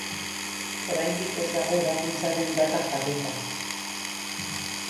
Oraindik ez dago ebakuntzaren data jarrita.